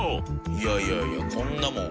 いやいやいやこんなもん。